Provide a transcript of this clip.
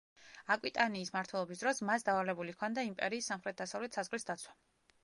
აკვიტანიის მმართველობის დროს მას დავალებული ჰქონდა იმპერიის სამხრეთ-დასავლეთ საზღვრის დაცვა.